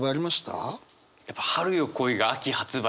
やっぱ「春よ、来い」が秋発売。